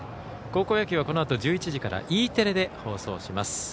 高校野球はこのあと１１時からＥテレで放送します。